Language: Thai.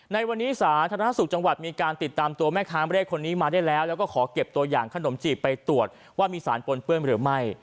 ในวันนี้สาธารณสุขจังหวัดมีการติดตามตัวแม่ค้าไม่ได้คนนี้มาได้แล้วแล้วก็ขอเก็บตัวอย่างขนมจีบไปตรวจว่ามีสารปนเปื้อนหรือไม่